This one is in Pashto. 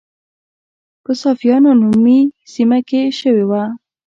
په صافیانو نومي سیمه کې شوې وه.